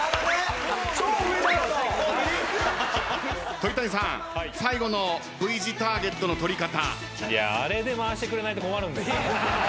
鳥谷さん最後のＶ字ターゲットのとり方。